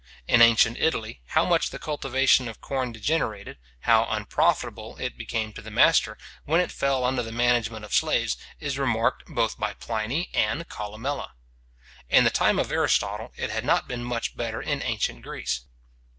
In ancient Italy, how much the cultivation of corn degenerated, how unprofitable it became to the master, when it fell under the management of slaves, is remarked both by Pliny and Columella. In the time of Aristotle, it had not been much better in ancient Greece.